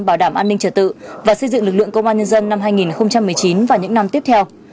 bảo đảm an ninh trật tự và xây dựng lực lượng công an nhân dân năm hai nghìn một mươi chín và những năm tiếp theo